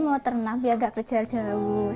ya mbaknya mau ternak biar gak kerja jauh